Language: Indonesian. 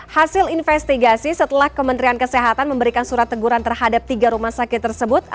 hasil investigasi setelah kementerian kesehatan memberikan surat teguran terhadap tiga rumah sakit tersebut